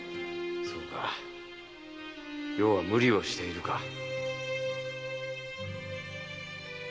〔そうか余は無理をしているか〕